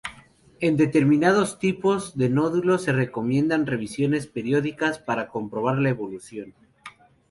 En determinados tipos de nódulos se recomiendan revisiones periódicas para comprobar le evolución.